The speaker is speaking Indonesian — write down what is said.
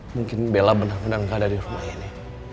mungkin bella benar benar gak ada di rumah ini